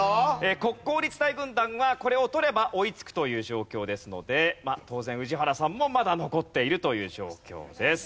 国公立大軍団はこれを取れば追いつくという状況ですので当然宇治原さんもまだ残っているという状況です。